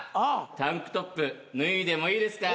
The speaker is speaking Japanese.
タンクトップ脱いでもいいですか？